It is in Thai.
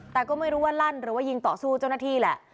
แต่ก็ไม่รู้ว่าลั่นหรือว่ายิงต่อสู้เจ้าหน้าที่แหละ